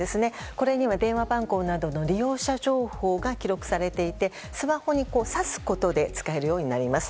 これには電話番号などの利用者情報が記録されていてスマホに挿すことで使えるようになります。